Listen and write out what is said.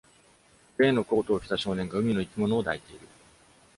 グレーのコートを着た少年が、海の生き物を抱いている。